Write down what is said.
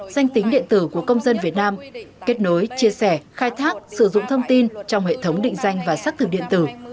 danh tính điện tử của công dân việt nam kết nối chia sẻ khai thác sử dụng thông tin trong hệ thống định danh và xác thực điện tử